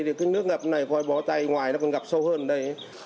thì cái nước ngập này bó tay ngoài nó còn ngập sâu hơn ở đây